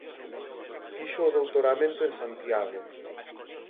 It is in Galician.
Fixo o doutoramento en Santiago.